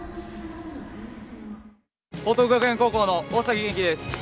報徳学園高校の大崎元輝です。